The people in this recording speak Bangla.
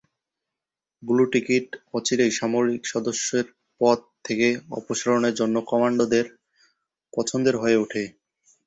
ব্লু টিকেট অচিরেই সামরিক সদস্যদের পদ থেকে অপসারণের জন্য কমান্ডারদের পছন্দের হয়ে ওঠে।